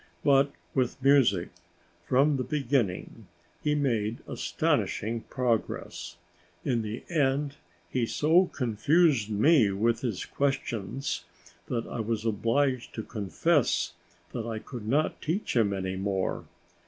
But with music, from the beginning, he made astonishing progress. In the end, he so confused me with his questions, that I was obliged to confess that I could not teach him any more.